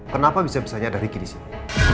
kenapa bisa bisanya ada ricky di sini